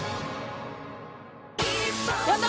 やった！